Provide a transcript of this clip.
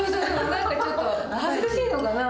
何かちょっと恥ずかしいのかな？